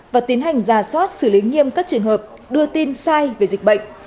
và tiến hành giả soát xử lý nghiêm các trường hợp đưa tin sai về dịch bệnh